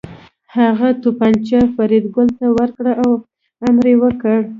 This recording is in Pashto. هغه توپانچه فریدګل ته ورکړه او امر یې وکړ